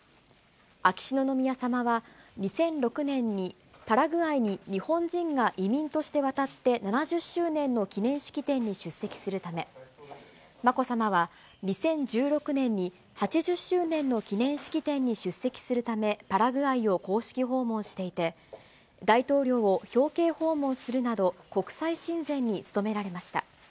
秋篠宮さまは、２００６年にパラグアイに日本人が移民として渡って７０周年の記念式典に出席するため、まこさまは、２０１６年に８０周年の記念式典に出席するため、パラグアイを公式訪問していて、大統領を表敬訪問するなど、国際親善に努められました。